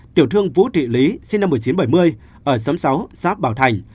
tiểu thương vũ thị lý sinh năm một nghìn chín trăm bảy mươi ở xóm sáu xã bảo thành